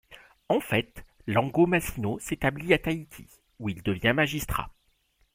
En fait Langomazino s’établit à Tahiti, où il devient magistrat.